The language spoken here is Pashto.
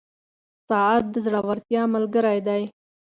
• ساعت د زړورتیا ملګری دی.